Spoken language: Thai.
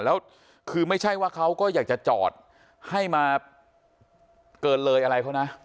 แล้วคือไม่ใช่ว่าเขาก็อยากจะจอดให้มาเกินเลยอะไรเขานะ